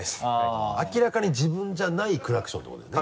明らかに自分じゃないクラクションってことだよね。